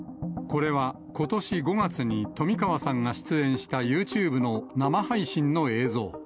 これはことし５月に、冨川さんが出演したユーチューブの生配信の映像。